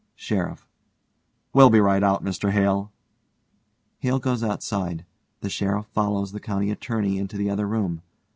SHERIFF: We'll be right out, Mr Hale. (HALE goes outside. The SHERIFF follows the COUNTY ATTORNEY _into the other room.